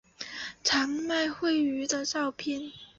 长麦穗鱼的图片